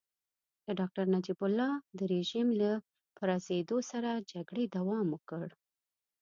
د ډاکټر نجیب الله د رژيم له پرزېدو سره جګړې دوام وکړ.